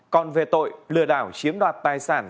còn về tội lừa đảo chiếm đoạt tài sản